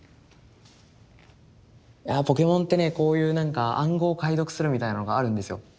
いやあポケモンってねこういうなんか暗号解読するみたいなのがあるんですよ